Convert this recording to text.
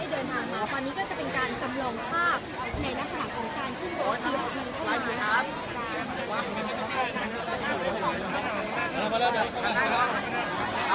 วันนี้ก็จะเป็นการจำลองภาพในลักษณะของการขึ้นโรคทีมทีเข้ามา